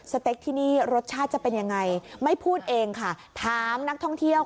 เต็กที่นี่รสชาติจะเป็นยังไงไม่พูดเองค่ะถามนักท่องเที่ยว